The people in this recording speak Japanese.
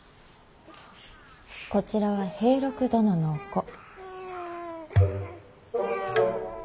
こちらは平六殿のお子。